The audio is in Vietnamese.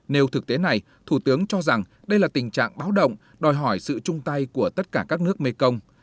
nếu thực tế này thủ tướng cho rằng đây là tình trạng báo động đòi hỏi sự chung tay của tất cả các nước mekong